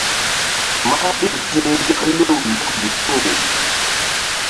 Mah ɓil ti̧h nzak lew ndɔk ndikpoh.